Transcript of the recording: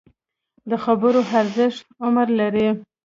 د خبرو ارزښت عمر لري